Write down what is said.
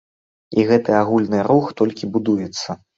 І гэты агульны рух толькі будуецца.